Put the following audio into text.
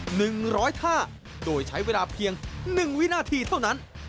หนึ่งร้อยท่าโดยใช้เวลาเพียงหนึ่งวินาทีเท่านั้น